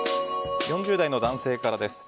４０代の男性から。